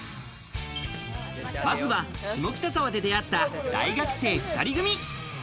まずは下北沢で出会った大学生２人組。